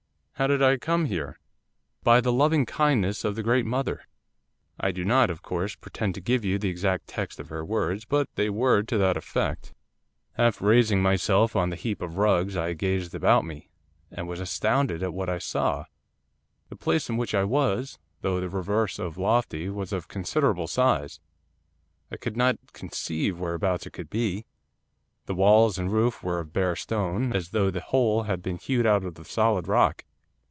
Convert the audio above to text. '"How did I come here?" '"By the loving kindness of the great mother." 'I do not, of course, pretend to give you the exact text of her words, but they were to that effect. 'Half raising myself on the heap of rugs, I gazed about me, and was astounded at what I saw. 'The place in which I was, though the reverse of lofty, was of considerable size, I could not conceive whereabouts it could be. The walls and roof were of bare stone, as though the whole had been hewed out of the solid rock.